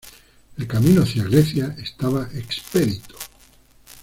El camino hacia Grecia estaba expedito.